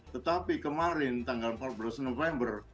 tetapi kemarin tanggal empat belas november